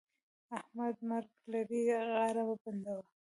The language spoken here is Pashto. احمده! مرګ لرې؛ غاړه مه بندوه.